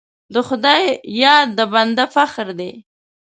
د خدای یاد د بنده فخر دی.